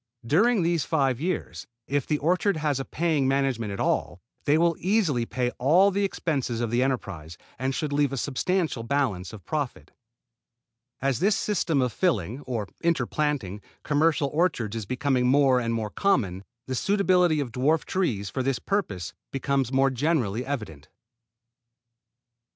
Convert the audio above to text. During these five years, if the orchard has a paying management at all, they will easily pay all the expenses of the enterprise, and should leave a substantial balance of profit. As this system of filling, or interplanting, commercial orchards is becoming more and more common, the suitability of dwarf trees, for this purpose, becomes more generally evident.